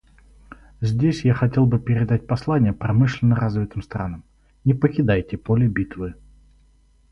Здесь я хотел бы передать послание промышленно развитым странам: «Не покидайте поле битвы».